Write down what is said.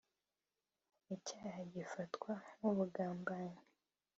icyaha gifatwa nk’ubugambanyi